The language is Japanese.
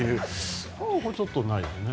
それはちょっと、ないよね。